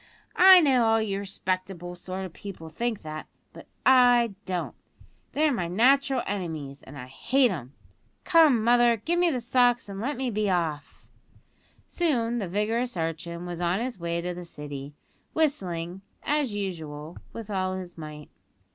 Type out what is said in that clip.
I know all you respectable sort of people think that; but I don't. They're my natural enemies, and I hate 'em. Come, mother, give me the socks and let me be off." Soon the vigorous urchin was on his way to the City, whistling, as usual, with all his might.